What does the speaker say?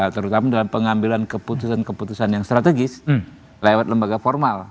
terutama dalam pengambilan keputusan keputusan yang strategis lewat lembaga formal